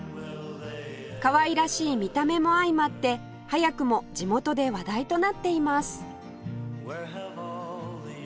かわいらしい見た目も相まって早くも地元で話題となっています